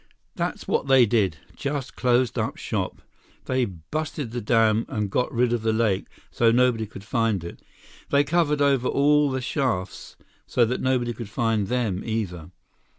"That's what they did. Just closed up shop. They busted the dam and got rid of the lake, so nobody could find it. They covered over all the shafts so nobody could find them either.